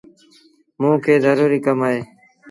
موݩ کي زروري ڪم اهي۔